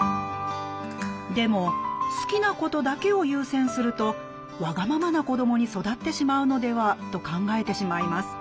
でも好きなことだけを優先するとわがままな子どもに育ってしまうのではと考えてしまいます。